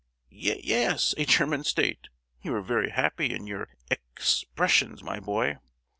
"Ye—yes, a German state, you are very happy in your ex—pressions, my boy!